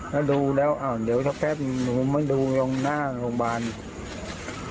แล้วดูแล้วอ้าวเดี๋ยวแค่ไปดูหน้าโรงพยาบาล